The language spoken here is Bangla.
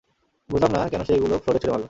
বুঝলাম না কেন সে এগুলো ফ্লোরে ছুড়ে মারল!